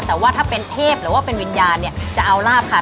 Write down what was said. แต่ว่าถ้าเป็นเทพหรือว่าเป็นวิญญาณเนี่ยจะเอาลาบค่ะ